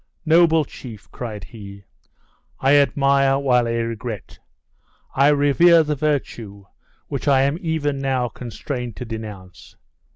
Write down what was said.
"Noble chief!" cried he; "I admire while I regret; I revere the virtue which I am even now constrained to denounce.